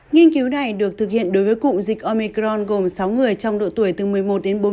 nghiên cứu này được thực hiện đối với cụm dịch omicron gồm sáu người trong độ tuổi từ một mươi một đến bốn mươi